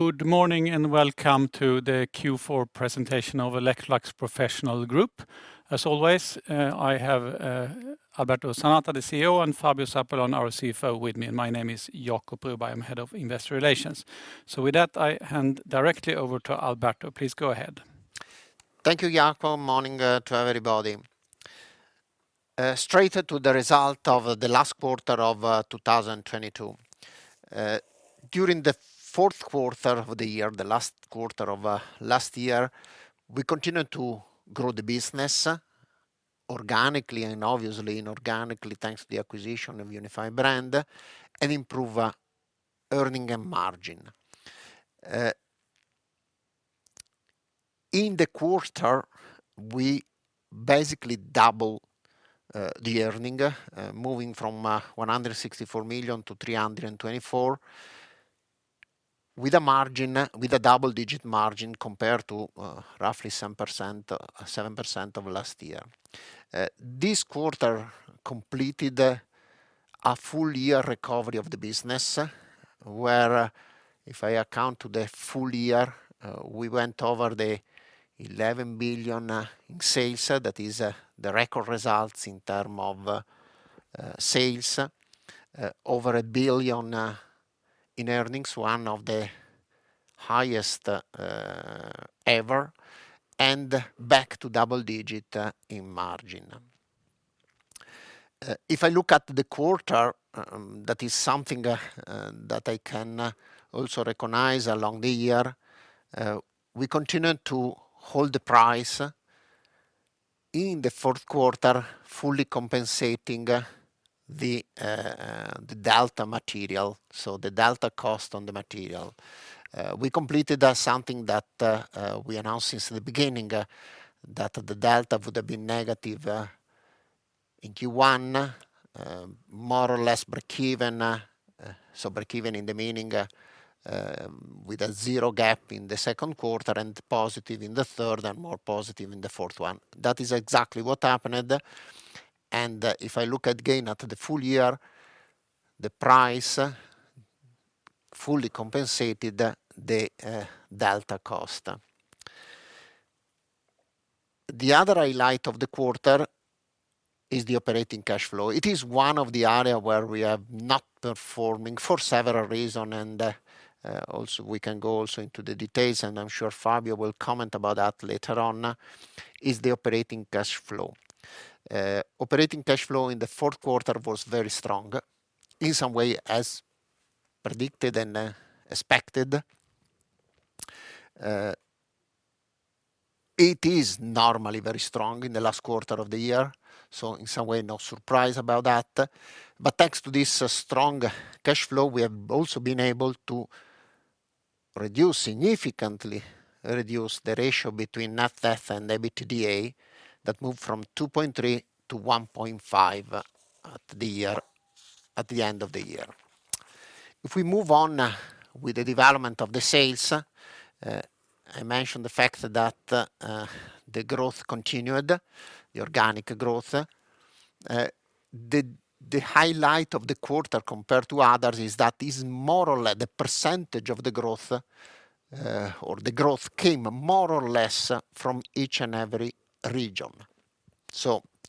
Good morning, welcome to the Q4 presentation of Electrolux Professional Group. As always, I have Alberto Zanata, the CEO, and Fabio Zarpellon, our CFO, with me. My name is Jacob Broberg, I'm Head of Investor Relations. With that, I hand directly over to Alberto. Please go ahead. Thank you, Jacob. Morning, to everybody. Straight to the result of the last quarter of 2022. During the fourth quarter of the year, the last quarter of last year, we continued to grow the business organically and obviously inorganically, thanks to the acquisition of Unified Brands, and improve earning and margin. In the quarter, we basically double the earning, moving from 164 million to 324 million, with a double-digit margin compared to roughly some percent, 7% of last year. This quarter completed a full year recovery of the business, where if I account to the full year, we went over the 11 billion in sales. That is the record results in term of sales. Over 1 billion in earnings, one of the highest ever, and back to double-digit in margin. If I look at the quarter, that is something that I can also recognize along the year. We continued to hold the price in the fourth quarter, fully compensating the delta material, so the delta cost on the material. We completed something that we announced since the beginning, that the delta would have been negative in Q1, more or less breakeven. So breakeven in the meaning, with a zero gap in the second quarter and positive in the third and more positive in the fourth one. That is exactly what happened. If I look at, again, at the full year, the price fully compensated the delta cost. The other highlight of the quarter is the operating cash flow. It is one of the area where we are not performing for several reason, and also we can go also into the details, and I'm sure Fabio will comment about that later on, is the operating cash flow. Operating cash flow in the fourth quarter was very strong. In some way, as predicted and expected, it is normally very strong in the last quarter of the year, so in some way, no surprise about that. Thanks to this strong cash flow, we have also been able to reduce significantly, reduce the ratio between Net Debt and EBITDA that moved from 2.3 to 1.5 at the end of the year. If we move on with the development of the sales, I mentioned the fact that the growth continued, the organic growth. The highlight of the quarter compared to others is that is more or less the percent of the growth, or the growth came more or less from each and every region.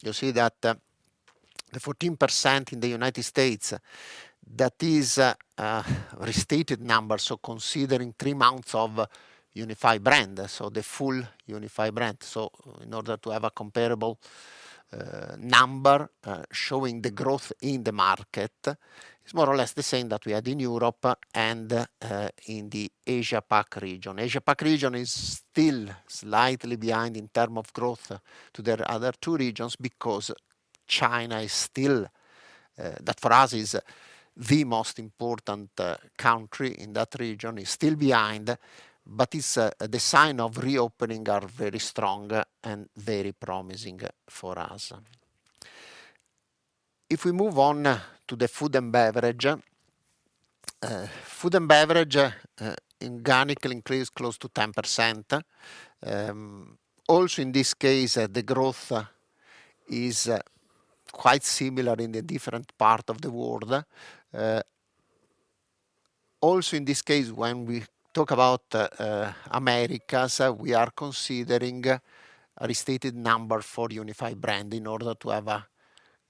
You see that the 14% in the United States, that is a restated number, so considering three months of Unified Brands, so the full Unified Brands. In order to have a comparable number showing the growth in the market, it's more or less the same that we had in Europe and in the Asia-Pacific region. Asia-Pacific region is still slightly behind in term of growth to the other two regions because China is still, that for us is the most important country in that region, is still behind, but is the sign of reopening are very strong and very promising for us. If we move on to the food and beverage. Food and beverage in organic increased close to 10%. Also, in this case, the growth is quite similar in the different part of the world. Also, in this case, when we talk about Americas, we are considering a restated number for Unified Brands in order to have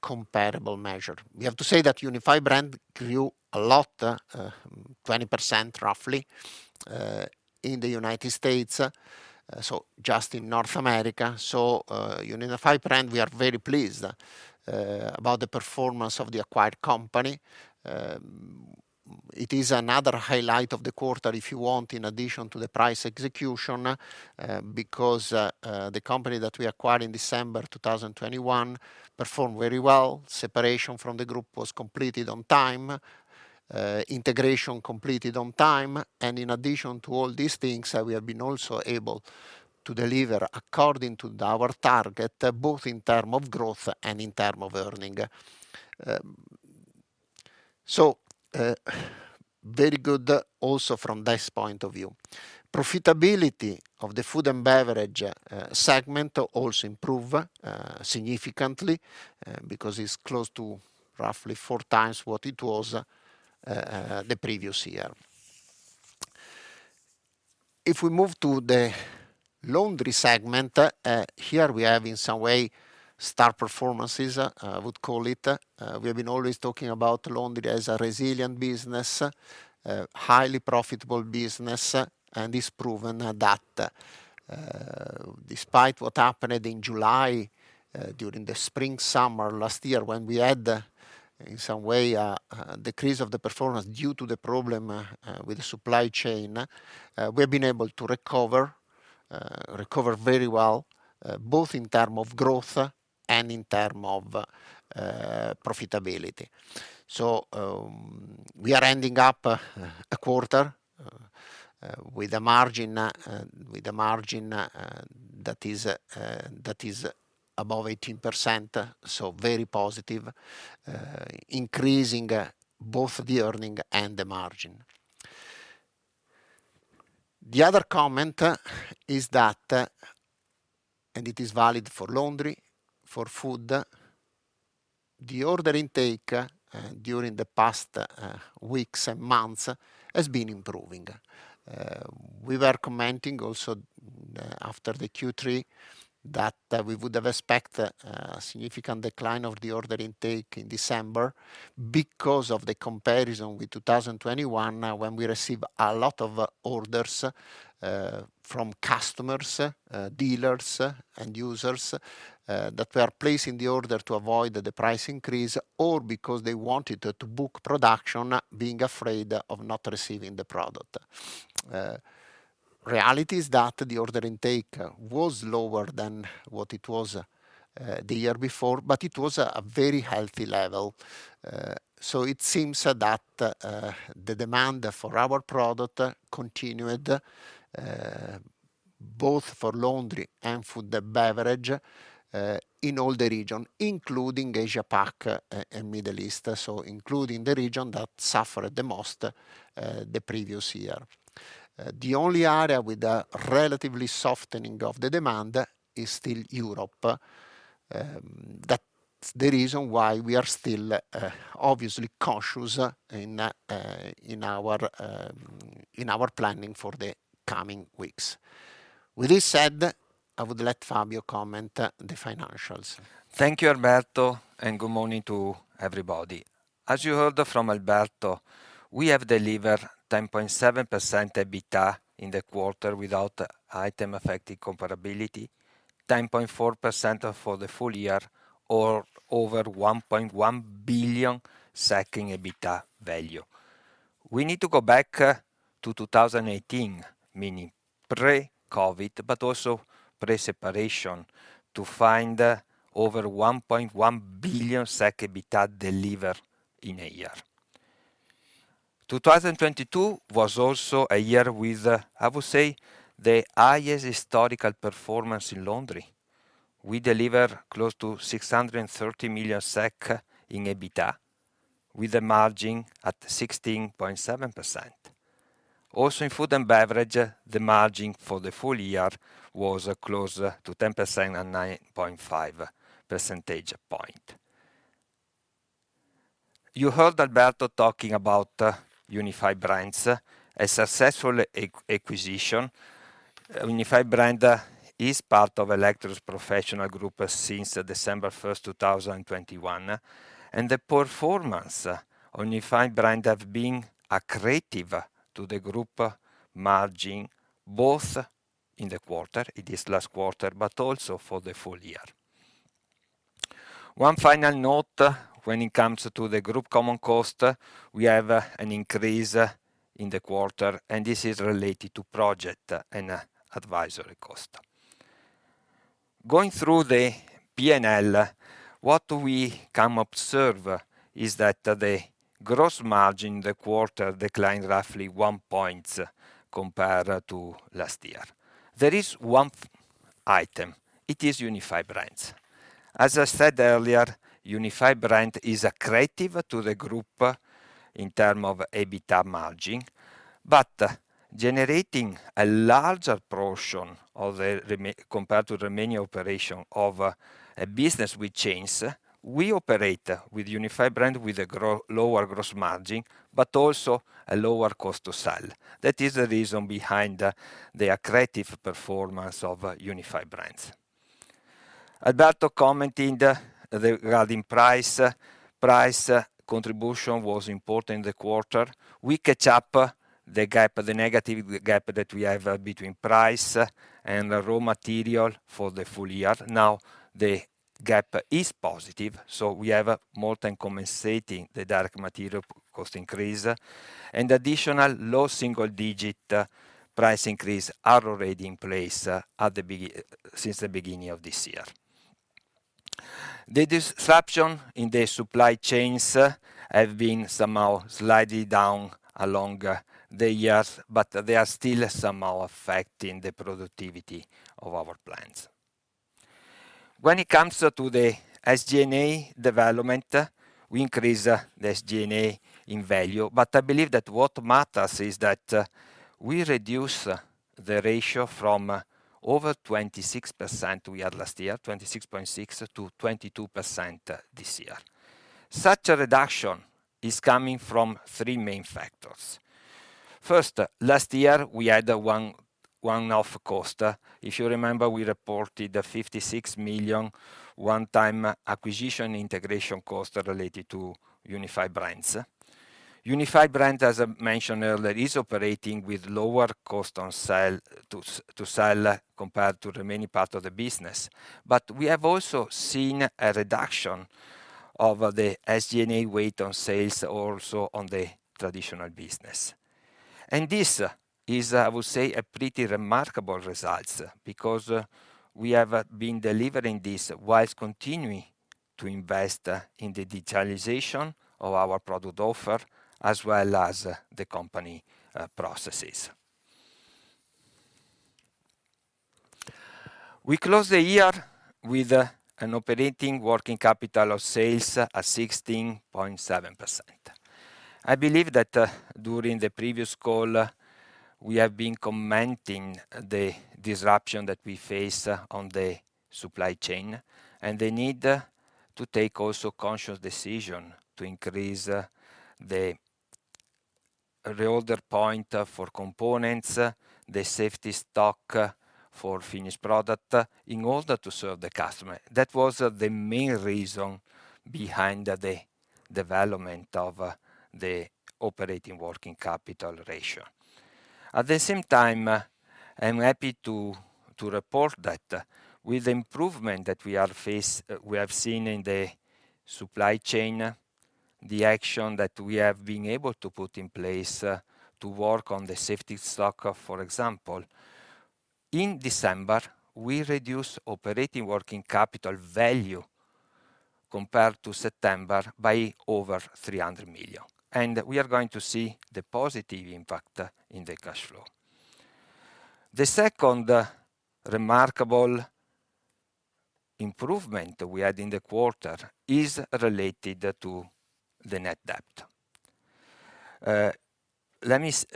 a comparable measure. We have to say that Unified Brands grew a lot, 20%, roughly, in the United States, so just in North America. Unified Brands, we are very pleased about the performance of the acquired company. It is another highlight of the quarter, if you want, in addition to the price execution, because the company that we acquired in December 2021 performed very well. Separation from the group was completed on time, integration completed on time. In addition to all these things, we have been also able to deliver according to our target, both in terms of growth and in terms of earnings. Very good also from this point of view. Profitability of the food and beverage segment also improved significantly, because it's close to roughly 4x what it was the previous year. If we move to the laundry segment, here we have in some way star performances, I would call it. We have been always talking about laundry as a resilient business, a highly profitable business, it's proven that, despite what happened in July, during the spring/summer last year when we had in some way a decrease of the performance due to the problem with the supply chain, we've been able to recover very well, both in term of growth and in term of profitability. We are ending up a quarter with a margin that is above 18%, very positive, increasing both the earning and the margin. The other comment is that it is valid for laundry, for food, the order intake during the past weeks and months has been improving. We were commenting also after the Q3 that we would have expect a significant decline of the order intake in December because of the comparison with 2021, when we receive a lot of orders from customers, dealers, end users, that were placing the order to avoid the price increase or because they wanted to book production being afraid of not receiving the product. Reality is that the order intake was lower than what it was the year before, but it was a very healthy level. It seems that the demand for our product continued, both for laundry and food and beverage, in all the region, including Asia-Pacific and Middle East, including the region that suffered the most the previous year. The only area with a relatively softening of the demand is still Europe. That's the reason why we are still obviously cautious in in our in our planning for the coming weeks. With this said, I would let Fabio comment the financials. Thank you, Alberto. Good morning to everybody. As you heard from Alberto, we have delivered 10.7% EBITDA in the quarter without item affecting comparability, 10.4% for the full year or over 1.1 billion in EBITDA value. We need to go back to 2018, meaning pre-COVID, but also pre-separation, to find over 1.1 billion SEK EBITDA delivered in a year. 2022 was also a year with, I would say, the highest historical performance in laundry. We delivered close to 630 million SEK in EBITDA with a margin at 16.7%. In food and beverage, the margin for the full year was close to 10% and 9.5 percentage point. You heard Alberto talking about Unified Brands, a successful acquisition. Unified Brands is part of Electrolux Professional Group since December 1st, 2021, and the performance on Unified Brands have been accretive to the group margin, both in the quarter, it is last quarter, but also for the full year. One final note when it comes to the group common cost, we have an increase in the quarter, and this is related to project and advisory cost. Going through the P&L, what we can observe is that the gross margin in the quarter declined roughly one point compared to last year. There is one item. It is Unified Brands. As I said earlier, Unified Brands is accretive to the group in term of EBITDA margin, but generating a larger portion of compared to remaining operation of a business with chains, we operate with Unified Brands with a lower gross margin, but also a lower cost to sell. That is the reason behind the accretive performance of Unified Brands. Alberto commented the regarding price. Price contribution was important in the quarter. We catch up the gap, the negative gap that we have between price and raw material for the full year. Now, the gap is positive, so we have more than compensating the direct material cost increase. Additional low single digit price increase are already in place since the beginning of this year. The disruption in the supply chains have been somehow slightly down along the years, but they are still somehow affecting the productivity of our plans. When it comes to the SG&A development, we increase the SG&A in value. I believe that what matters is that we reduce the ratio from over 26% we had last year, 26.6% to 22% this year. Such a reduction is coming from three main factors. First, last year we had one-off cost. If you remember, we reported a 56 million one-time acquisition integration cost related to Unified Brands. Unified Brands, as I mentioned earlier, is operating with lower cost on sale to sell compared to the remaining part of the business. We have also seen a reduction of the SG&A weight on sales also on the traditional business. This is, I would say, a pretty remarkable results, because we have been delivering this whilst continuing to invest in the digitalization of our product offer as well as the company processes. We close the year with an operating working capital of sales at 16.7%. I believe that during the previous call, we have been commenting the disruption that we face on the supply chain, and the need to take also conscious decision to increase the reorder point for components, the safety stock for finished product in order to serve the customer. That was the main reason behind the development of the operating working capital ratio. At the same time, I'm happy to report that, with improvement that we have seen in the supply chain, the action that we have been able to put in place, to work on the safety stock, for example. In December, we reduced operating working capital value compared to September by over 300 million. We are going to see the positive impact in the cash flow. The second remarkable improvement we had in the quarter is related to the net debt.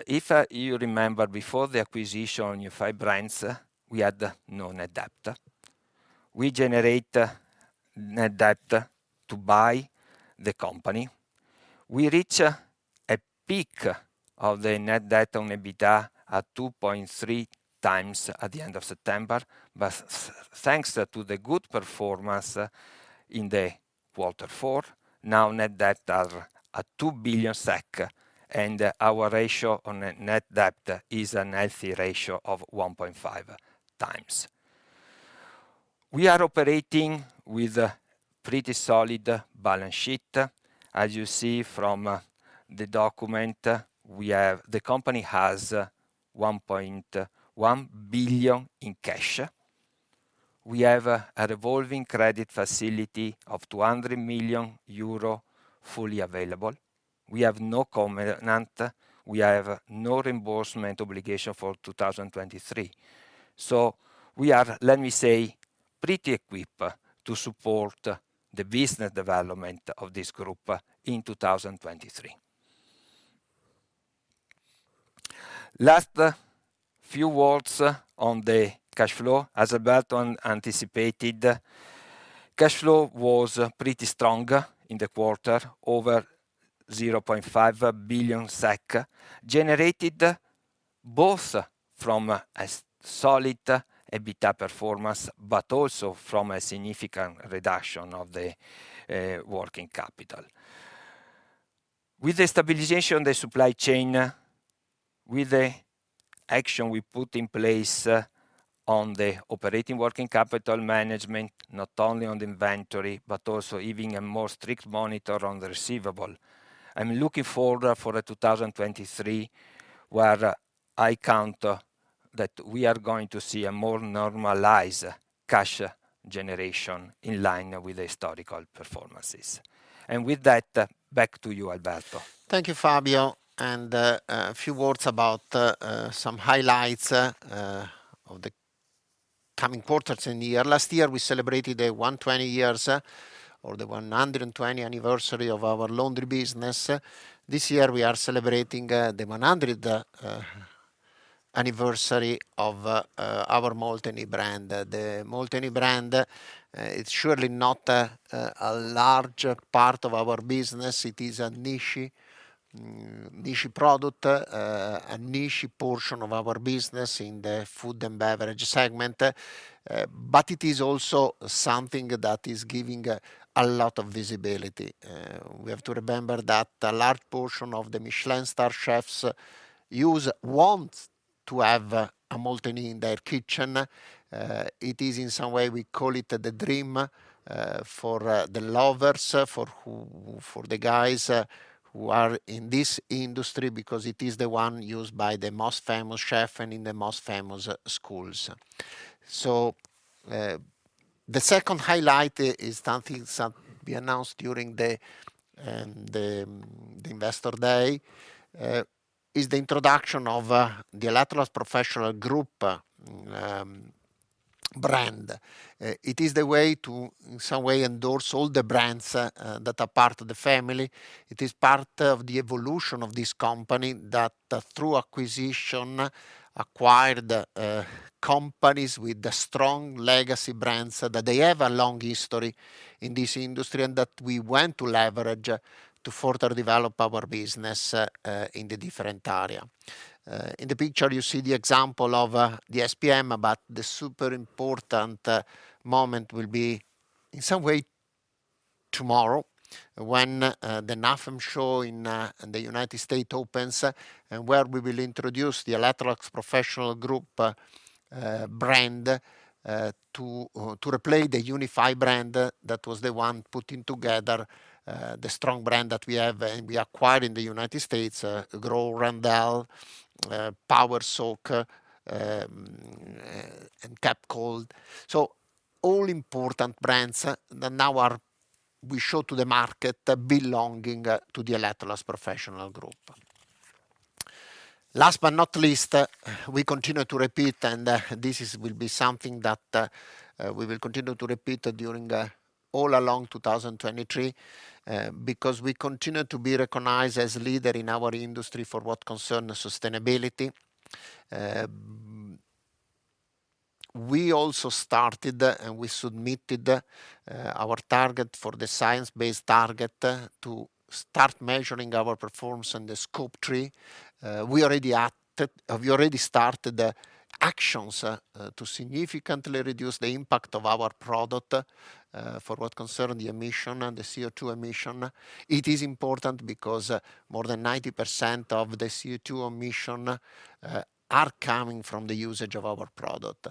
If you remember, before the acquisition Unified Brands, we had no net debt. We generate net debt to buy the company. We reach a peak of the net debt on EBITDA at 2.3x at the end of September. Thanks to the good performance in the Q4, now net debt are at 2 billion SEK, and our ratio on net debt is an healthy ratio of 1.5x. We are operating with a pretty solid balance sheet. As you see from the document, the company has 1.1 billion in cash. We have a revolving credit facility of 200 million euro fully available. We have no covenant. We have no reimbursement obligation for 2023. We are, let me say, pretty equipped to support the business development of this group in 2023. Last few words on the cash flow. As Alberto anticipated, cash flow was pretty strong in the quarter, over 0.5 billion SEK, generated both from a solid EBITDA performance, also from a significant reduction of the working capital. With the stabilization of the supply chain, with the action we put in place on the operating working capital management, not only on the inventory, but also giving a more strict monitor on the receivable. I'm looking forward for a 2023, where I count that we are going to see a more normalized cash generation in line with the historical performances. With that, back to you, Alberto. Thank you, Fabio. A few words about some highlights of the coming quarters in the year. Last year, we celebrated 120 years, or the 120th anniversary of our laundry business. This year, we are celebrating the 100th anniversary of our Molteni brand. The Molteni brand, it's surely not a large part of our business. It is a niche product, a niche portion of our business in the food and beverage segment. It is also something that is giving a lot of visibility. We have to remember that a large portion of the Michelin star chefs want to have a Molteni in their kitchen. It is in some way, we call it the dream for the lovers for the guys who are in this industry, because it is the one used by the most famous chef and in the most famous schools. The second highlight is something we announced during the Investor Day. Is the introduction of the Electrolux Professional Group brand. It is the way to in some way endorse all the brands that are part of the family. It is part of the evolution of this company that through acquisition acquired companies with the strong legacy brands that they have a long history in this industry and that we want to leverage to further develop our business in the different area. In the picture you see the example of the SPM, but the super important moment will be in some way tomorrow when the NAFEM show in the United States opens, and where we will introduce the Electrolux Professional Group brand to replace the Unified Brands, that was the one putting together the strong brand that we have and we acquired in the United States, Grohe, Randell, Power Soak, and CapKold. All important brands that now are we show to the market belonging to the Electrolux Professional Group. Last but not least, we continue to repeat, and this is will be something that we will continue to repeat during all along 2023, because we continue to be recognized as leader in our industry for what concerns sustainability. We also started, and we submitted, our target for the Science-Based Targets, to start measuring our performance on the scope three. We already started actions to significantly reduce the impact of our product, for what concern the emission and the CO2 emission. It is important because more than 90% of the CO2 emission are coming from the usage of our product.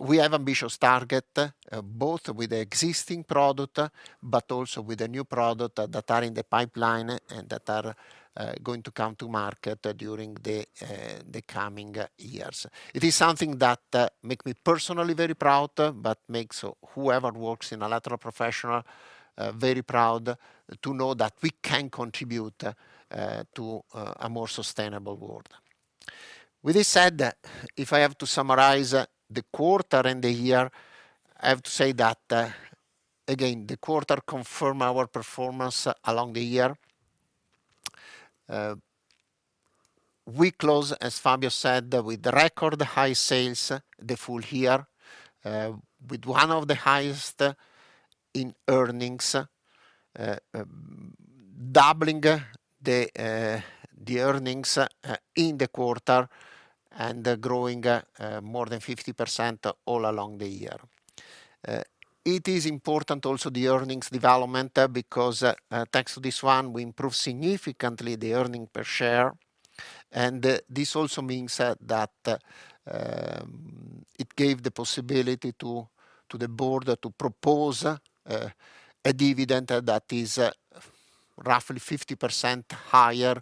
We have ambitious target both with existing product, but also with the new product that are in the pipeline and that are going to come to market during the coming years. It is something that make me personally very proud, but makes whoever works in Electrolux Professional very proud to know that we can contribute to a more sustainable world. With this said, if I have to summarize the quarter and the year, I have to say that again, the quarter confirm our performance along the year. We close, as Fabio said, with record high sales the full year, with one of the highest in earnings, doubling the earnings in the quarter and growing more than 50% all along the year. It is important also the earnings development, because thanks to this one, we improve significantly the earning per share. This also means that it gave the possibility to the board to propose a dividend that is roughly 50% higher,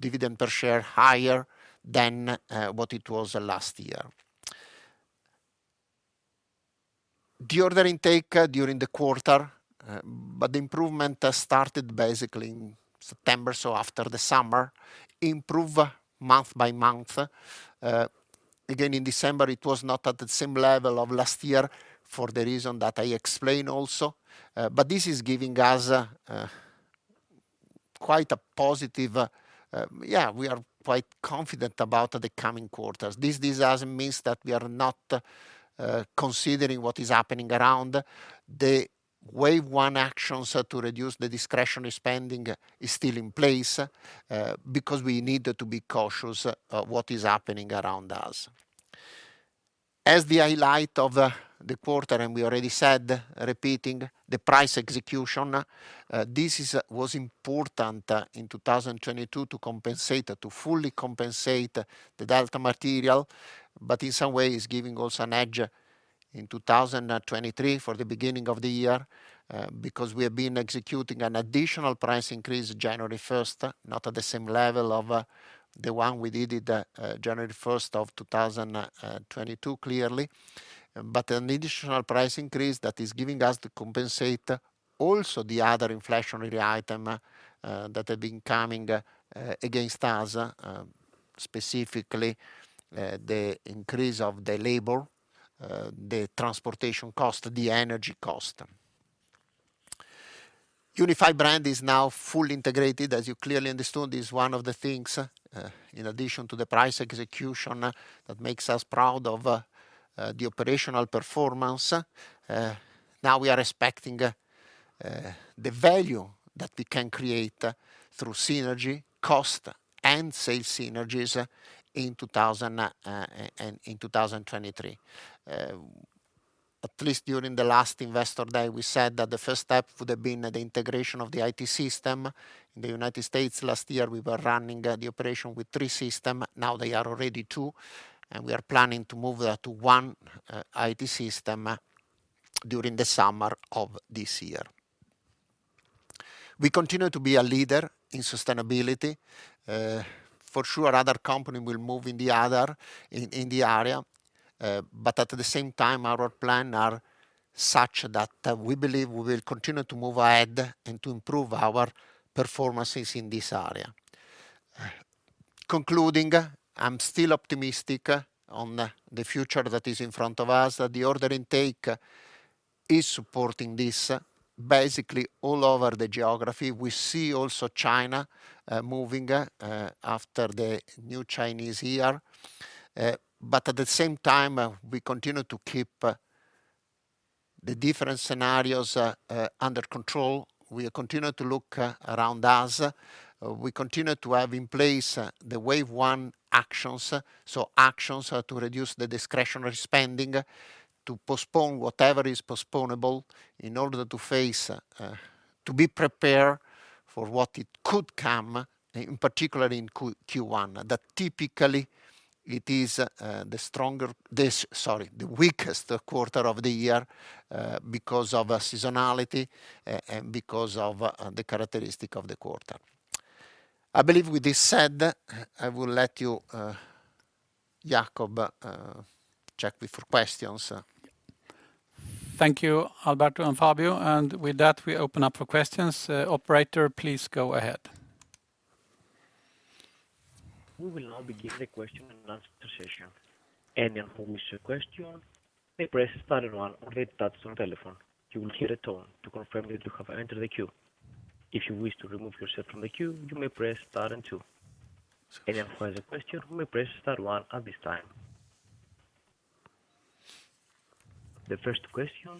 dividend per share higher than what it was last year. The order intake during the quarter, the improvement started basically in September, so after the summer, improve month-by-month. Again, in December, it was not at the same level of last year for the reason that I explained also. This is giving us quite a positive, yeah, we are quite confident about the coming quarters. This doesn't mean that we are not considering what is happening around. The wave one actions to reduce the discretionary spending is still in place, because we need to be cautious of what is happening around us. As the highlight of the quarter, we already said, repeating the price execution, this was important in 2022 to compensate, to fully compensate the delta material, but in some ways giving us an edge in 2023 for the beginning of the year, because we have been executing an additional price increase January 1st, not at the same level of the one we did it January 1st of 2022, clearly. An additional price increase that is giving us to compensate also the other inflationary item that have been coming against us, specifically, the increase of the labor, the transportation cost, the energy cost. Unified Brands is now fully integrated, as you clearly understood, is one of the things, in addition to the price execution that makes us proud of the operational performance. Now we are expecting the value that we can create through synergy, cost, and sales synergies in 2023. At least during the last Investor Day, we said that the first step would have been the integration of the IT system. In the United States last year, we were running the operation with three system. Now they are already two, and we are planning to move that to one IT system during the summer of this year. We continue to be a leader in sustainability. For sure, other company will move in the other, in the area. At the same time, our plan are such that we believe we will continue to move ahead and to improve our performances in this area. Concluding, I'm still optimistic on the future that is in front of us. The order intake is supporting this basically all over the geography. We see also China moving after the new Chinese year. At the same time, we continue to keep the different scenarios under control. We continue to look around us. We continue to have in place the wave one actions. Actions to reduce the discretionary spending, to postpone whatever is postponable in order to face, to be prepared for what it could come, in particular in Q1. That typically it is the stronger... Sorry, the weakest quarter of the year, because of seasonality and because of the characteristic of the quarter. I believe with this said, I will let you, Jakob, check me for questions. Thank you, Alberto and Fabio. With that, we open up for questions. Operator, please go ahead. We will now begin the question and answer session. Anyone who wishes to question may press star and one on their touch-tone telephone. You will hear a tone to confirm that you have entered the queue. If you wish to remove yourself from the queue, you may press star and two. Anyone who has a question may press star one at this time. The first question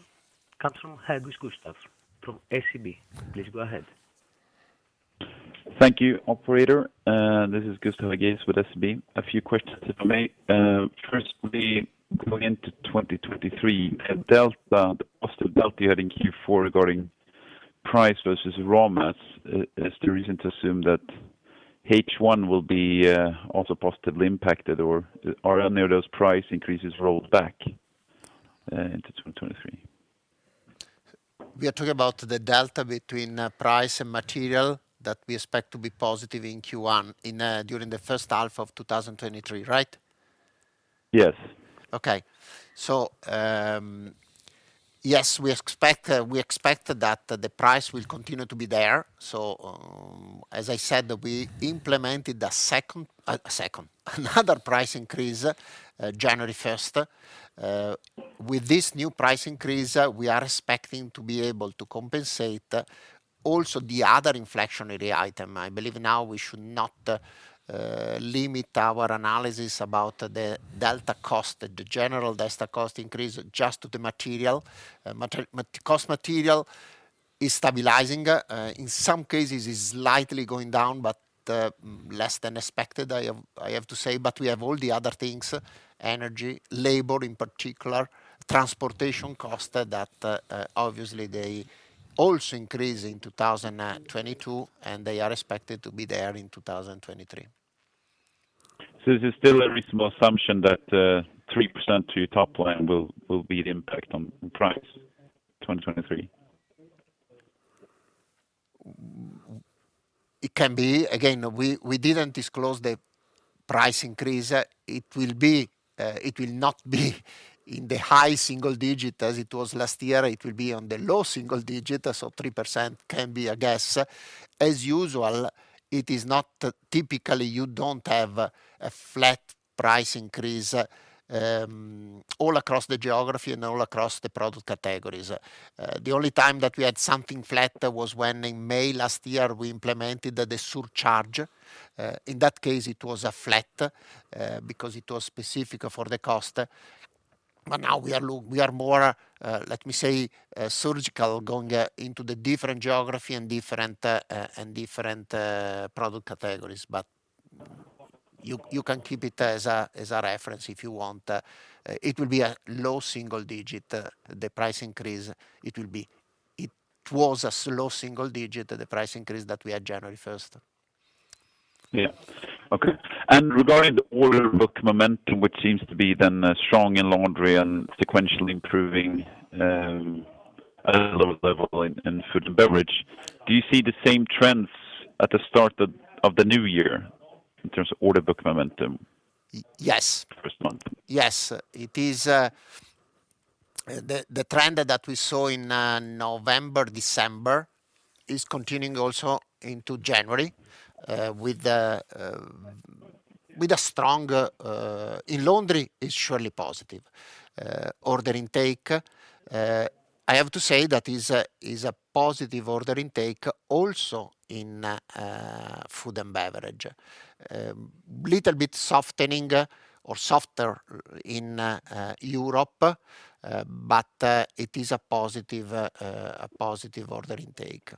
comes from Hampus Gustafsson from SEB. Please go ahead. Thank you, operator. This is Gustaf again with SEB. A few questions, if I may. Firstly, going into 2023, the delta, the positive delta you had in Q4 regarding price versus raw mats, is there reason to assume that H1 will be also positively impacted, or are any of those price increases rolled back into 2023? We are talking about the delta between price and material that we expect to be positive in Q1, during the first half of 2023, right? Yes. Okay. Yes, we expect that the price will continue to be there. As I said, we implemented another price increase, January 1st. With this new price increase, we are expecting to be able to compensate also the other inflationary item. I believe now we should not limit our analysis about the delta cost, the general delta cost increase just to the material. Material cost is stabilizing. In some cases, it's slightly going down, but less than expected, I have to say. We have all the other things; energy, labor in particular, transportation costs that obviously they also increase in 2022, and they are expected to be there in 2023. Is it still a reasonable assumption that 3% to your top line will be the impact on price 2023? It can be. Again, we didn't disclose the price increase. It will not be in the high single digit as it was last year. It will be on the low single digit, so 3% can be a guess. As usual, it is not. Typically, you don't have a flat price increase all across the geography and all across the product categories. The only time that we had something flat was when in May last year, we implemented the surcharge. In that case, it was a flat because it was specific for the cost. Now we are more, let me say, surgical going into the different geography and different and different product categories. You can keep it as a reference if you want. It will be a low single digit, the price increase. It will be... It was a low single digit, the price increase that we had January 1st. Yeah. Okay. Regarding the order book momentum, which seems to be then strong in Laundry and sequentially improving, at a lower level in Food and Beverage, do you see the same trends at the start of the new year in terms of order book momentum? Y-yes. The first month? Yes. It is the trend that we saw in November, December is continuing also into January. In Laundry, it's surely positive. Order intake, I have to say that is a positive order intake also in Food and Beverage. Little bit softening or softer in Europe. It is a positive, a positive order intake.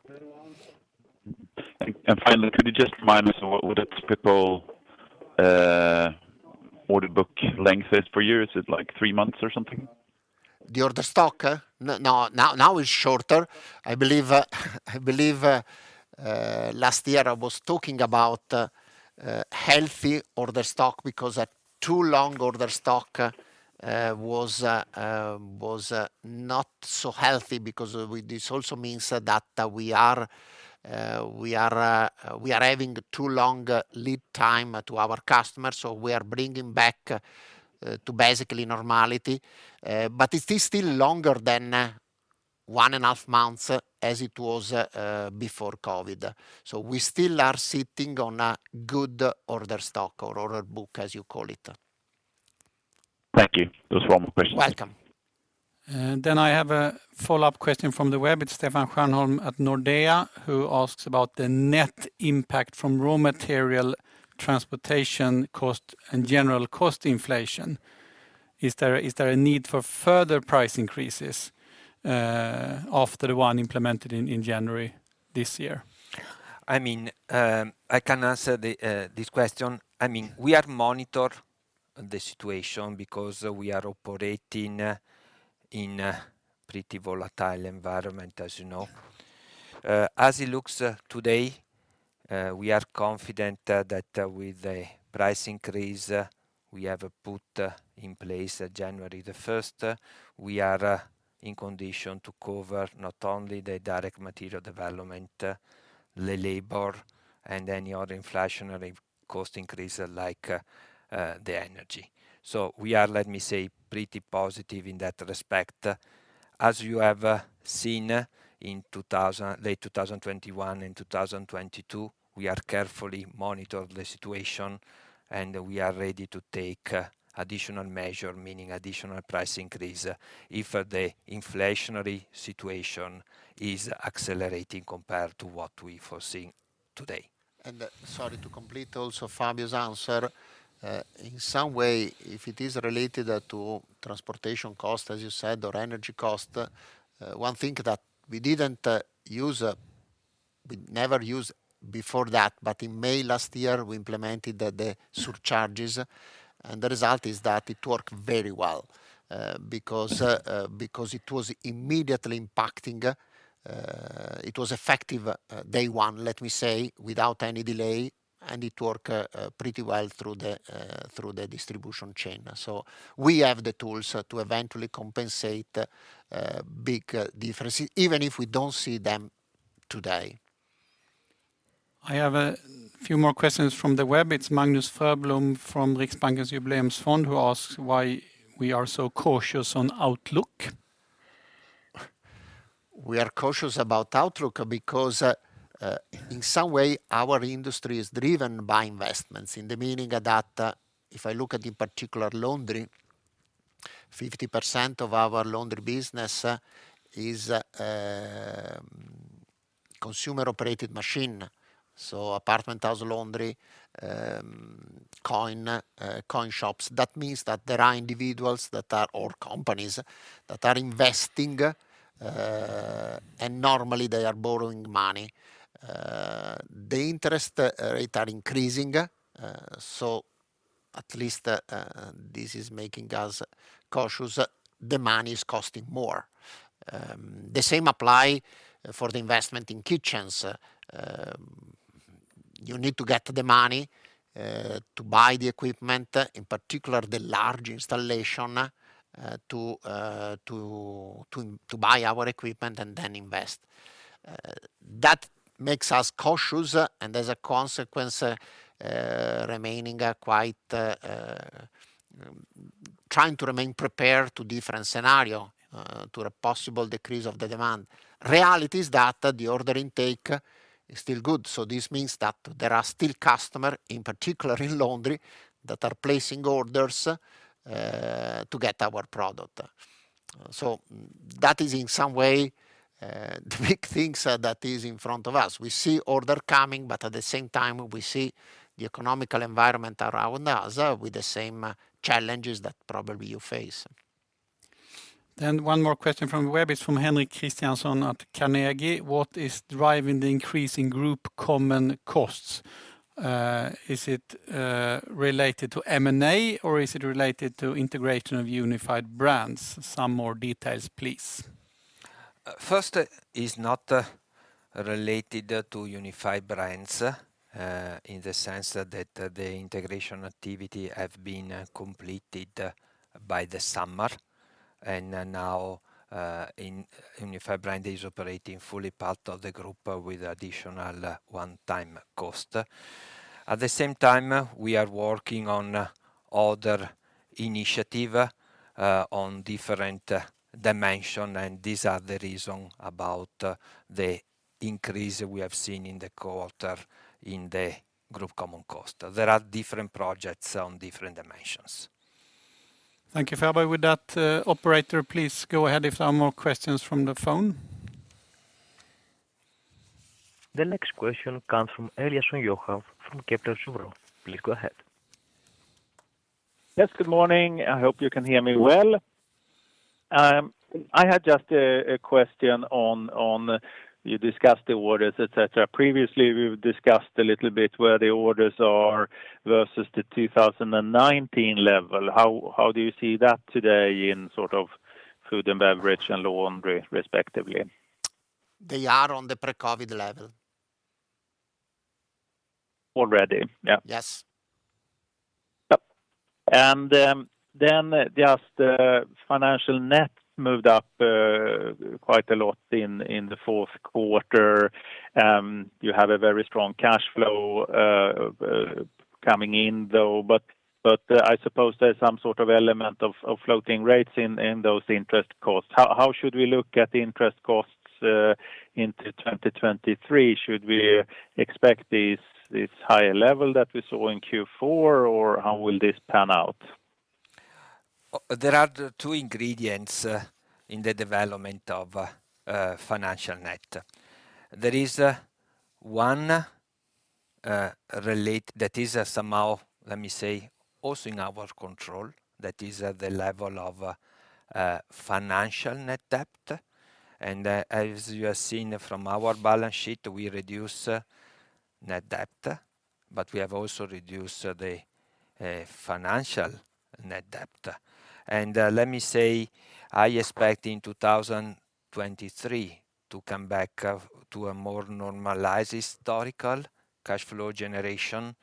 Finally, could you just remind us what a typical order book length is for you? Is it like three months or something? The order stock? Now it's shorter. I believe, last year I was talking about healthy order stock because a too long order stock was not so healthy because this also means that we are having too long lead time to our customers, so we are bringing back to basically normality. It is still longer than one and a half months as it was before COVID. We still are sitting on a good order stock or order book, as you call it. Thank you. Just one more question. Welcome. I have a follow-up question from the web. It's Stefan Stjernholm at Nordea who asks about the net impact from raw material transportation cost and general cost inflation. Is there a need for further price increases after the one implemented in January this year? I mean, I can answer this question. I mean, we are monitor the situation because we are operating in a pretty volatile environment, as you know. As it looks today, we are confident that with the price increase we have put in place January 1st, we are in condition to cover not only the direct material development, the labor and any other inflationary cost increase like the energy. We are, let me say, pretty positive in that respect. As you have seen in late 2021 and 2022, we are carefully monitor the situation, and we are ready to take additional measure, meaning additional price increase if the inflationary situation is accelerating compared to what we foresee today. Sorry, to complete also Fabio's answer. In some way, if it is related to transportation cost, as you said, or energy cost, one thing that we didn't use, we never used before that, but in May last year, we implemented the surcharges. The result is that it worked very well, because it was immediately impacting, it was effective day one, let me say, without any delay, and it worked pretty well through the distribution chain. We have the tools to eventually compensate big differences, even if we don't see them today. I have a few more questions from the web. It's Magnus Fröblom from Riksbankens Jubileumsfond who asks why we are so cautious on outlook. We are cautious about outlook because in some way, our industry is driven by investments in the meaning that if I look at in particular laundry, 50% of our laundry business is consumer-operated machine, so apartment house laundry, coin shops. That means that there are individuals or companies that are investing, and normally they are borrowing money. The interest rate are increasing, so at least this is making us cautious. The money is costing more. The same apply for the investment in kitchens. You need to get the money to buy the equipment, in particular the large installation, to buy our equipment and then invest. That makes us cautious, and as a consequence, remaining quite. Trying to remain prepared to different scenario, to a possible decrease of the demand. Reality is that the order intake is still good, this means that there are still customer, in particular in laundry, that are placing orders to get our product. That is in some way the big things that is in front of us. We see order coming, at the same time we see the economical environment around us with the same challenges that probably you face. One more question from the web. It's from Henrik Christiansson at Carnegie. What is driving the increase in group common costs? Is it related to M&A, or is it related to integration of Unified Brands? Some more details, please. First, it's not related to Unified Brands, in the sense that the integration activity have been completed by the summer. In Unified Brands is operating fully part of the group with additional one-time cost. We are working on other initiative on different dimension, the reason about the increase we have seen in the quarter in the group common cost. There are different projects on different dimensions. Thank you, Fabio. With that, operator, please go ahead if there are more questions from the phone. The next question comes from Johan Eliason from Kepler Cheuvreux. Please go ahead. Yes. Good morning. I hope you can hear me well. I had just a question on... You discussed the orders, et cetera. Previously, we've discussed a little bit where the orders are versus the 2019 level. How do you see that today in sort of food and beverage and laundry respectively? They are on the pre-COVID level. Already? Yeah. Yes. Just financial net moved up quite a lot in the fourth quarter. You have a very strong cash flow coming in though, but I suppose there's some sort of element of floating rates in those interest costs. How should we look at the interest costs into 2023? Should we expect this higher level that we saw in Q4, or how will this pan out? There are two ingredients in the development of financial net. There is one that is somehow, let me say, also in our control. That is the level of financial net debt. As you have seen from our balance sheet, we reduce net debt, but we have also reduced the financial net debt. Let me say, I expect in 2023 to come back of, to a more normalized historical cash flow generation.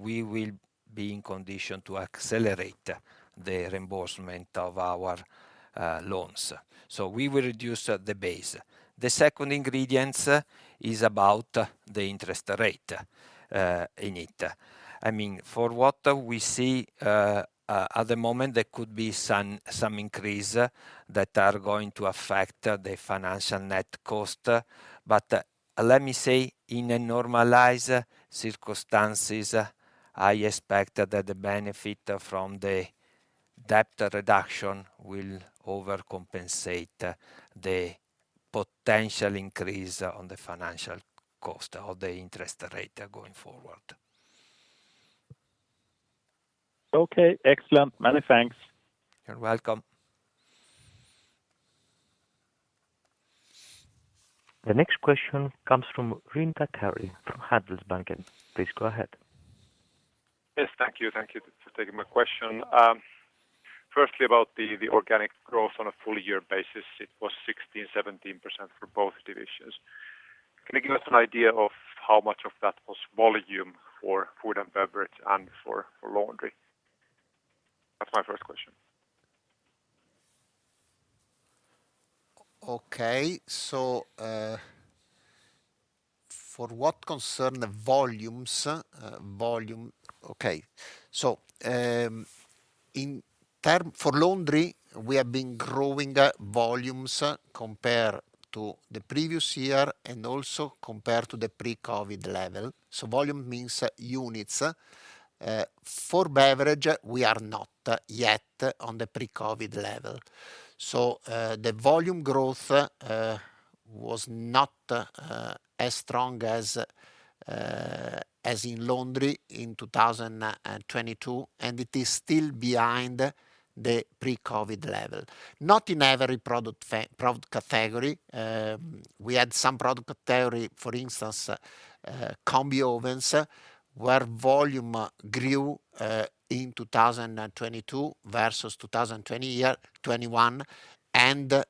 We will be in condition to accelerate the reimbursement of our loans. We will reduce the base. The second ingredient is about the interest rate in it. I mean, for what we see at the moment, there could be some increase that are going to affect the financial net cost. Let me say, in a normalized circumstances, I expect that the benefit from the debt reduction will overcompensate the potential increase on the financial cost or the interest rate going forward. Okay, excellent. Many thanks. You're welcome. The next question comes from Karri Rinta from Handelsbanken. Please go ahead. Yes, thank you. Thank you for taking my question. Firstly, about the organic growth on a full year basis. It was 16%-17% for both divisions. Can you give us an idea of how much of that was volume for food and beverage and for laundry? That's my first question. Okay. For what concern the volumes, volume. Okay. For laundry, we have been growing volumes compared to the previous year and also compared to the pre-COVID level. Volume means units. For beverage, we are not yet on the pre-COVID level. The volume growth was not as strong as as in laundry in 2022, and it is still behind the pre-COVID level. Not in every product category. We had some product category, for instance, combi ovens, where volume grew in 2022 versus 2020 year, 2021, and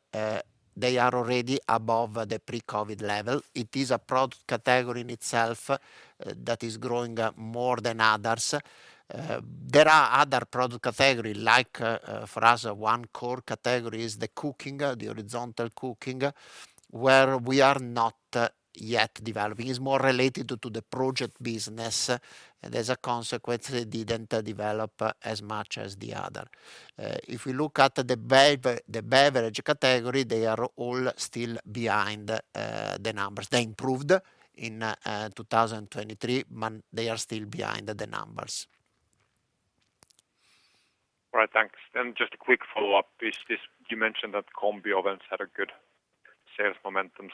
they are already above the pre-COVID level. It is a product category in itself that is growing more than others. There are other product category, like, for us, one core category is the cooking, the horizontal cooking, where we are not yet developing. It's more related to the project business, and as a consequence, it didn't develop as much as the other. If we look at the beverage category, they are all still behind, the numbers. They improved in, 2023, but they are still behind the numbers. All right, thanks. Just a quick follow-up is this, you mentioned that combi ovens had a good sales momentum.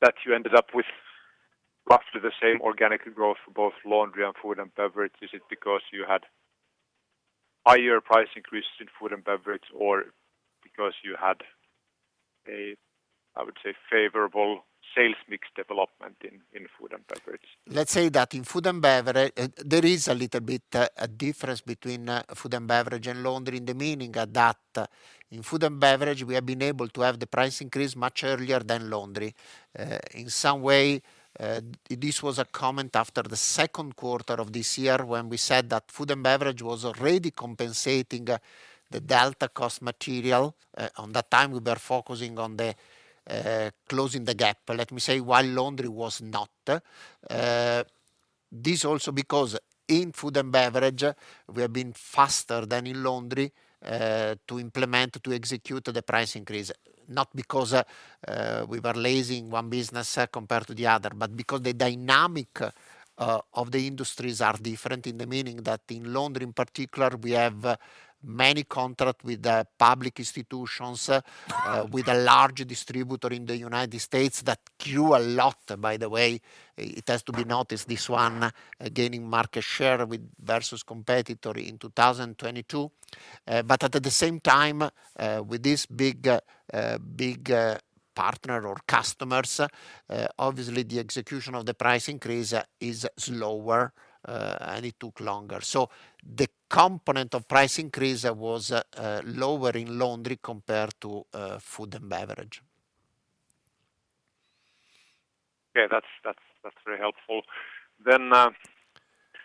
That you ended up with roughly the same organic growth for both laundry and food and beverage. Is it because you had higher price increases in food and beverage or because you had a, I would say, favorable sales mix development in food and beverage? Let's say that in food and beverage, there is a little bit a difference between food and beverage and laundry in the meaning that in food and beverage, we have been able to have the price increase much earlier than laundry. In some way, this was a comment after the second quarter of this year when we said that food and beverage was already compensating the delta cost material. On that time, we were focusing on the closing the gap, let me say, while laundry was not. This also because in food and beverage, we have been faster than in laundry to implement, to execute the price increase. Not because we were lazy in one business compared to the other, but because the dynamic of the industries are different in the meaning that in laundry in particular, we have many contract with the public institutions, with a large distributor in the United States that grew a lot, by the way. It has to be noticed, this one, gaining market share versus competitor in 2022. But at the same time, with this big, big partner or customers, obviously the execution of the price increase is slower, and it took longer. So the component of price increase was lower in laundry compared to food and beverage. Okay. That's very helpful.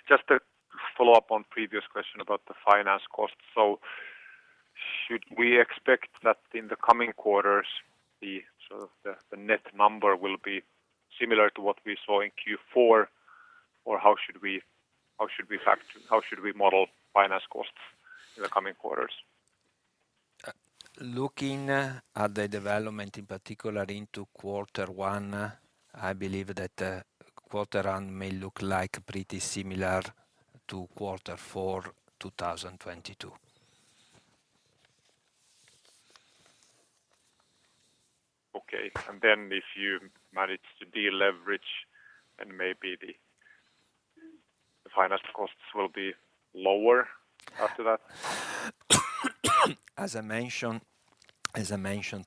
Just to follow up on previous question about the finance cost. Should we expect that in the coming quarters, the sort of the net number will be similar to what we saw in Q4? How should we model finance costs in the coming quarters? Looking at the development, in particular into Q1, I believe that quarter one may look like pretty similar to Q4, 2022. Okay. Then if you manage to deleverage and maybe the finance costs will be lower after that? As I mentioned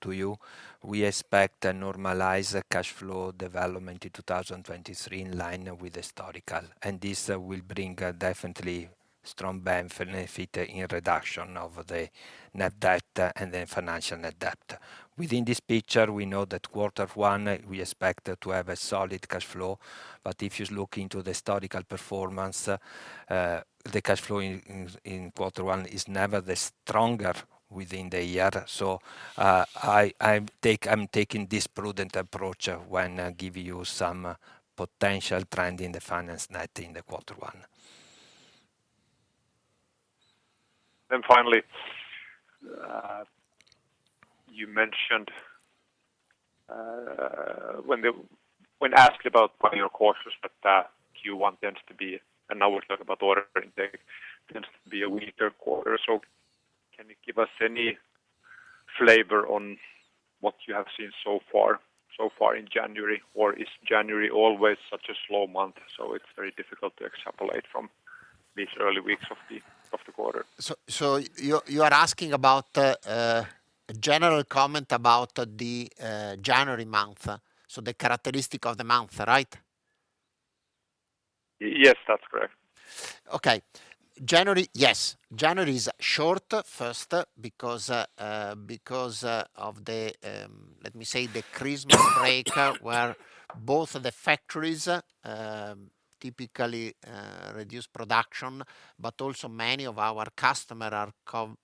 to you, we expect a normalized cash flow development in 2023 in line with historical. This will bring definitely strong benefit in reduction of the net debt and the financial net debt. Within this picture we know that Q1 we expect to have a solid cash flow. If you look into the historical performance, the cash flow in Q1 is never the stronger within the year. I'm taking this prudent approach when I give you some potential trend in the finance net in Q1. Finally, you mentioned, When asked about prior quarters that, Q1 tends to be, and now we're talking about order intake, tends to be a weaker quarter. Can you give us any flavor on what you have seen so far in January? Is January always such a slow month, so it's very difficult to extrapolate from these early weeks of the quarter? You are asking about a general comment about the January month, the characteristic of the month, right? Yes, that's correct. Okay. January... Yes, January is short first because of the, let me say the Christmas break where both the factories typically reduce production, but also many of our customer are come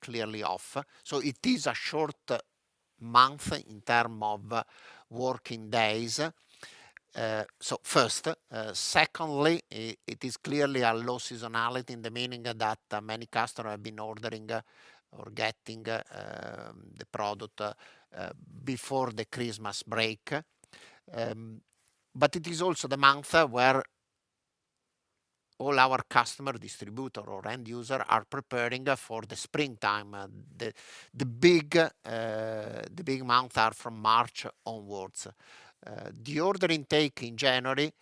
clearly off. It is a short month in term of working days. First. Secondly, it is clearly a low seasonality in the meaning that many customer have been ordering or getting the product before the Christmas break. It is also the month where all our customer distributor or end user are preparing for the springtime. The big month are from March onwards. The order intake in January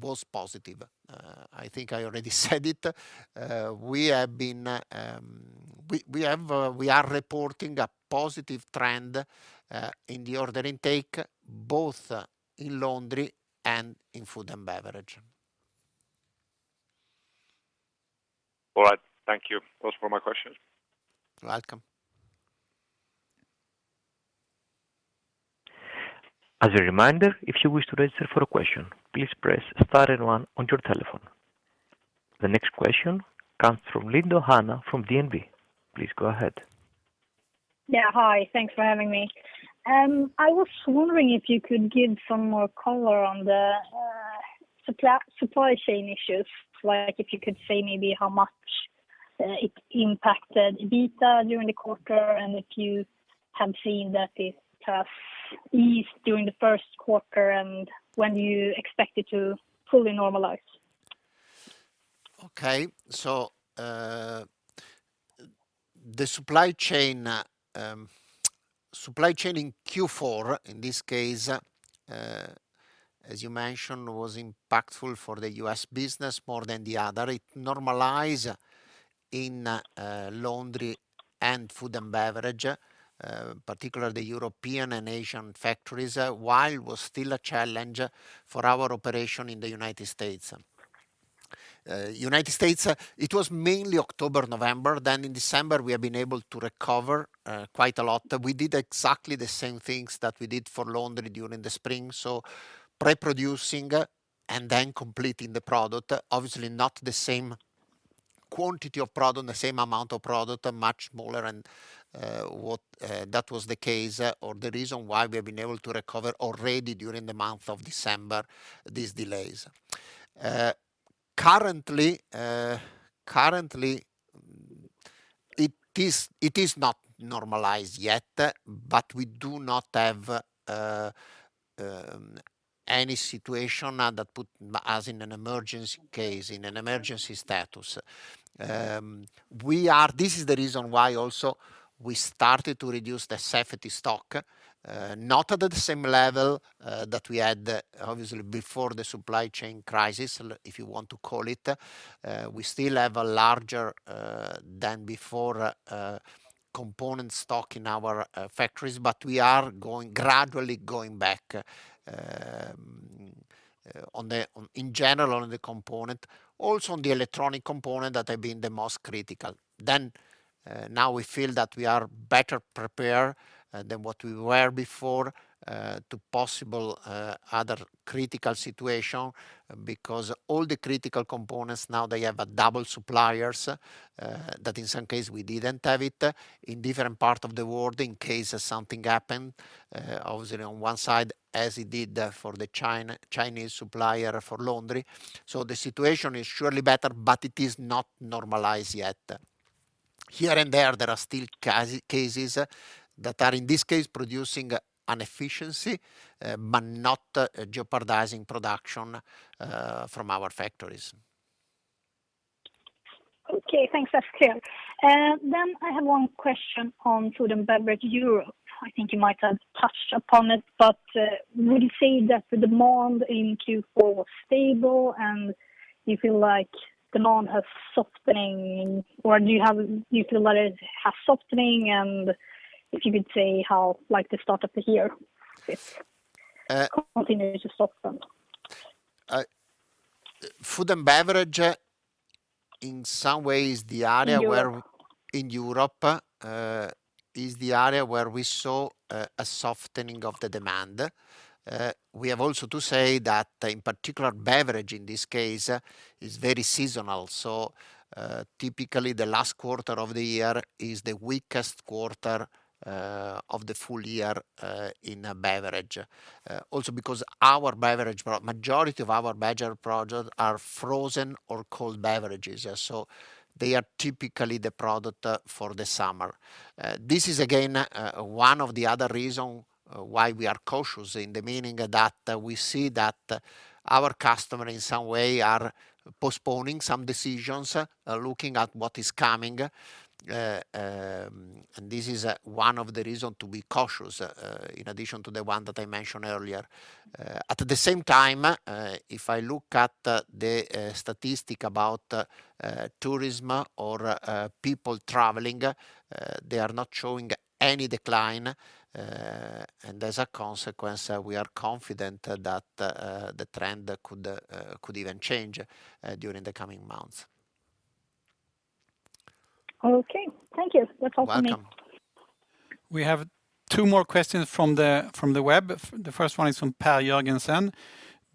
was positive. I think I already said it. We are reporting a positive trend in the order intake both in laundry and in food and beverage. All right. Thank you. Those were my questions. You're welcome. As a reminder, if you wish to register for a question, please press star and one on your telephone. The next question comes from Linda Sandvik from DNB. Please go ahead. Yeah. Hi. Thanks for having me. I was wondering if you could give some more color on the supply chain issues, like if you could say maybe how much it impacted EBITDA during the quarter, and if you have seen that it has eased during the first quarter, and when you expect it to fully normalize? Okay. The supply chain, supply chain in Q4, in this case, as you mentioned, was impactful for the U.S. business more than the other. It normalize in laundry and food and beverage, particularly European and Asian factories, while was still a challenge for our operation in the United States. United States, it was mainly October, November. In December, we have been able to recover quite a lot. We did exactly the same things that we did for laundry during the spring. Pre-producing and then completing the product. Obviously not the same quantity of product, the same amount of product, much smaller and what that was the case or the reason why we have been able to recover already during the month of December, these delays. Currently, it is not normalized yet. We do not have any situation that put us in an emergency case, in an emergency status. This is the reason why also we started to reduce the safety stock, not at the same level that we had obviously before the supply chain crisis, if you want to call it. We still have a larger than before component stock in our factories. We are gradually going back in general, on the component, also on the electronic component that have been the most critical. Now we feel that we are better prepared than what we were before to possible other critical situation because all the critical components now they have a double suppliers that in some case we didn't have it in different part of the world in case something happened obviously on one side as it did for the Chinese supplier for laundry. The situation is surely better, but it is not normalized yet. Here and there are still cases that are, in this case, producing an efficiency, but not jeopardizing production from our factories. Okay. Thanks. That's clear. I have one question on food and beverage Europe. I think you might have touched upon it, would you say that the demand in Q4 was stable and you feel like demand has softening or do you feel like it has softening? If you could say how like the start of the year. Uh- Continues to soften. Food and beverage in some ways the area. In Europe. In Europe is the area where we saw a softening of the demand. We have also to say that in particular beverage in this case is very seasonal. Typically the last quarter of the year is the weakest quarter of the full year in beverage. Also because majority of our beverage products are frozen or cold beverages. They are typically the product for the summer. This is again one of the other reason why we are cautious in the meaning that we see that our customer in some way are postponing some decisions, looking at what is coming. This is one of the reason to be cautious in addition to the one that I mentioned earlier. At the same time, if I look at the statistic about tourism or people traveling, they are not showing any decline. As a consequence, we are confident that the trend could even change during the coming months. Okay. Thank you. That's all from me. Welcome. We have two more questions from the web. The first one is from Pär Börjesson.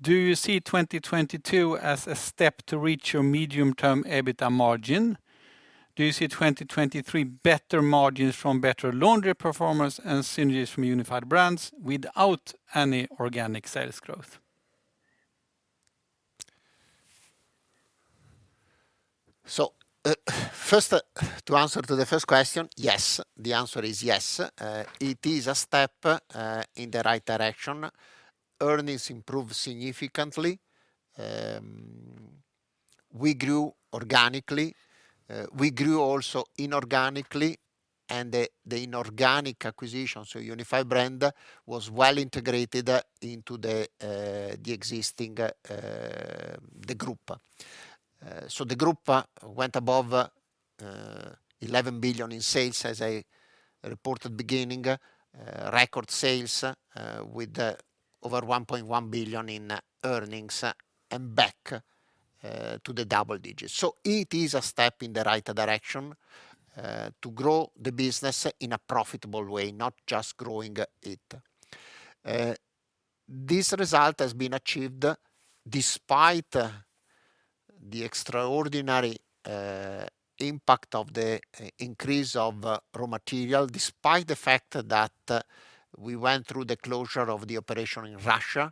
Do you see 2022 as a step to reach your medium-term EBITDA margin? Do you see 2023 better margins from better laundry performance and synergies from Unified Brands without any organic sales growth? First to answer to the first question, yes. The answer is yes. It is a step in the right direction. Earnings improved significantly. We grew organically. We grew also inorganically and the inorganic acquisition, Unified Brands, was well integrated into the existing group. The group went above 11 billion in sales as I reported beginning, record sales, with over 1.1 billion in earnings and back to the double digits. It is a step in the right direction to grow the business in a profitable way, not just growing it. This result has been achieved despite the extraordinary impact of the increase of raw material, despite the fact that we went through the closure of the operation in Russia,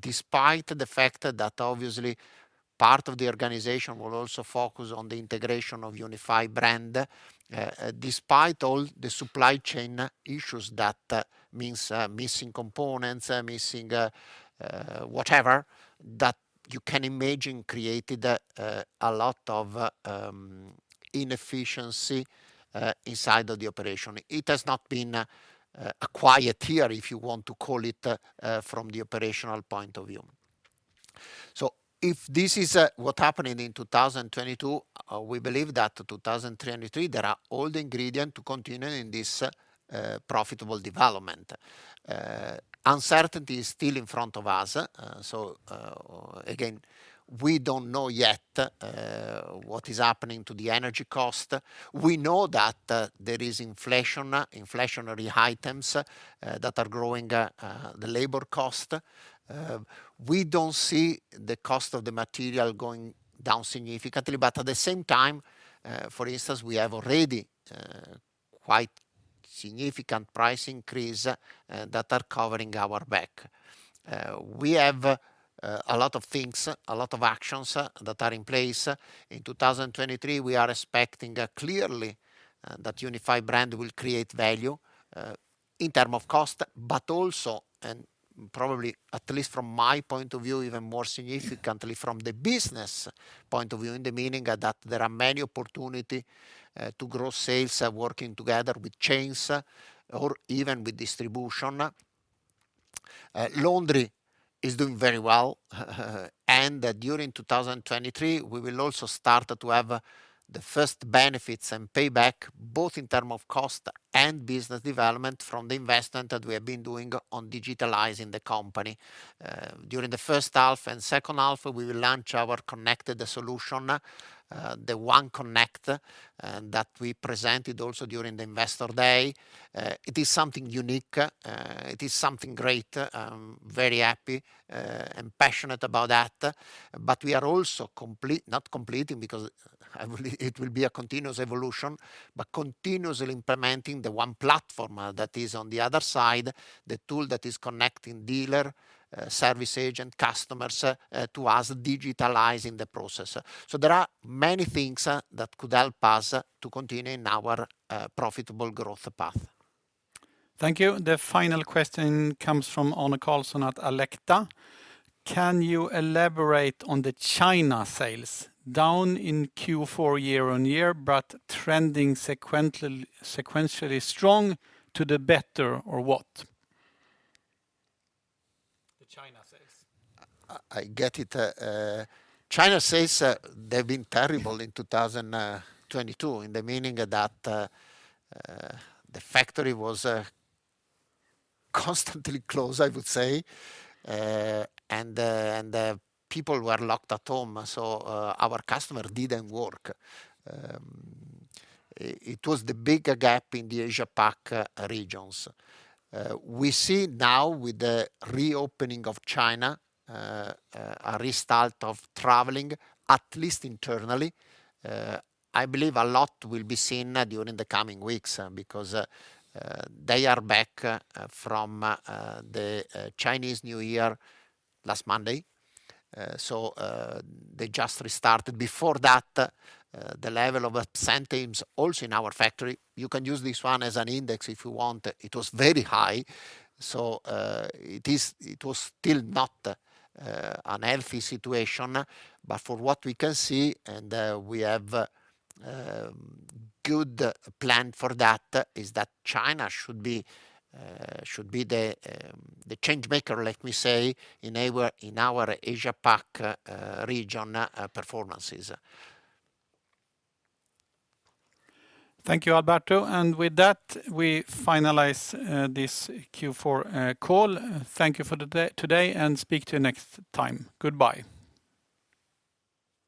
despite the fact that obviously part of the organization will also focus on the integration of Unified Brands, despite all the supply chain issues that means missing components, missing whatever that you can imagine created a lot of inefficiency inside of the operation. It has not been a quiet year, if you want to call it, from the operational point of view. If this is what happening in 2022, we believe that 2023, there are all the ingredients to continue in this profitable development. Uncertainty is still in front of us. Again, we don't know yet what is happening to the energy cost. We know that there is inflation, inflationary items that are growing the labor cost. We don't see the cost of the material going down significantly. At the same time, for instance, we have already quite significant price increase that are covering our back. We have a lot of things, a lot of actions that are in place. In 2023, we are expecting clearly that Unified Brands will create value in term of cost, but also, and probably, at least from my point of view, even more significantly from the business point of view, in the meaning that there are many opportunity to grow sales working together with chains or even with distribution. Laundry is doing very well. During 2023, we will also start to have the first benefits and payback, both in term of cost and business development from the investment that we have been doing on digitalizing the company. During the first half and second half, we will launch our connected solution, the One Connect, that we presented also during the Investor Day. It is something unique. It is something great. I'm very happy and passionate about that. We are also not completing because I believe it will be a continuous evolution, but continuously implementing the one platform, that is on the other side, the tool that is connecting dealer, service agent, customers, to us digitalizing the process. There are many things that could help us to continue in our profitable growth path. Thank you. The final question comes from Arne Karlsson at Alecta. Can you elaborate on the China sales down in Q4 year-on-year, but trending sequentially strong to the better or what? The China sales. I get it. China sales, they've been terrible in 2022, in the meaning that the factory was constantly closed, I would say. The people were locked at home, our customer didn't work. It was the big gap in the Asia-Pacific regions. We see now with the reopening of China, a restart of traveling, at least internally. I believe a lot will be seen during the coming weeks, because they are back from the Chinese New Year last Monday. They just restarted. Before that, the level of absentees also in our factory, you can use this one as an index if you want. It was very high. It was still not a healthy situation. For what we can see, and we have a good plan for that, is that China should be the change maker, let me say, in our Asia-Pacific region performances. Thank you, Alberto. With that, we finalize this Q4 call. Thank you for today, and speak to you next time. Goodbye.